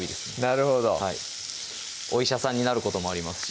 なるほどはいお医者さんになることもあります